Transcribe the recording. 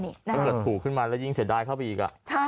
ถ้าเกิดถูกขึ้นมาแล้วยิ่งเสียดายเข้าไปอีก